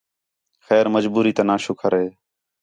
خیر مجبوری تا ناں شُکر ہے